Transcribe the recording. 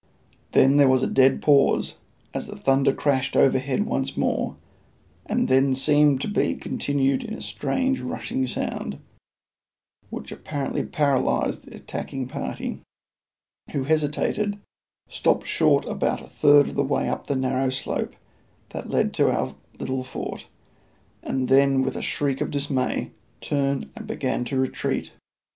Then there was a dead pause as the thunder crashed overhead once more, and then seemed to be continued in a strange rushing sound, which apparently paralysed the attacking party, who hesitated, stopped short about a third of the way up the narrow slope that led to our little fort, and then with a shriek of dismay turned and began to retreat.